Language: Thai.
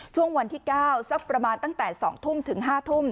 ช่วงวันที่๙สักประมาณตั้งแต่๒ทุ่มถึง๕ทุ่ม